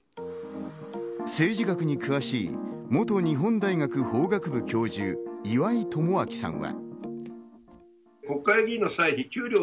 政治学に詳しい元日本大学法学部教授・岩井奉信さんは。